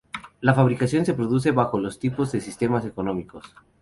La fabricación se produce bajo todos los tipos de sistemas económicos.